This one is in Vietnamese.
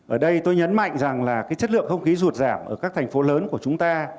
ở đây tôi nhấn mạnh rằng là cái chất lượng không khí sụt giảm ở các thành phố lớn của chúng ta